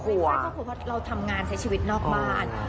เพราะเราจะทำงานในชีวิตนอกบ้าน